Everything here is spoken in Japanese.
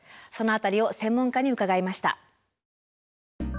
その辺りを専門家に伺いました。